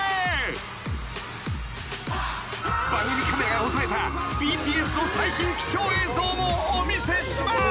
［番組カメラが押さえたＢＴＳの最新貴重映像もお見せします］